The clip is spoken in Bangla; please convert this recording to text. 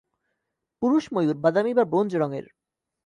পুরুষ ময়ূর বাদামি বা ব্রোঞ্জ রঙের।